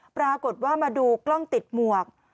ปรากฏว่ามาดูกล้องติดหมวก